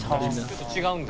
ちょっと違うんだ。